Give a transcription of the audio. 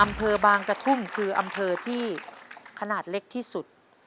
อำเภอบางกระทุ่มคืออำเภอที่ขนาดเล็กที่สุด